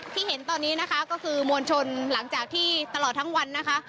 เห็นตอนนี้นะคะก็คือมวลชนหลังจากที่ตลอดทั้งวันนะคะ